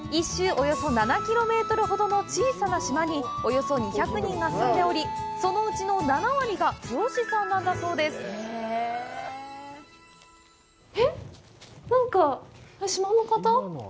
およそ７キロメートルほどの小さな島におよそ２００人が住んでおり、そのうちの７割が漁師さんなんだそうです。えっ？、なんか、島の方？